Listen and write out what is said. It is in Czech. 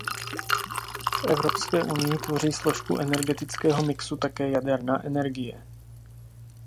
V Evropské unii tvoří složku energetického mixu také jaderná energie.